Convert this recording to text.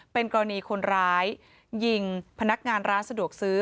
เป็นกรณีคนร้ายยิงพนักงานร้านสะดวกซื้อ